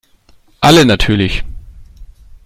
Alle natürlich.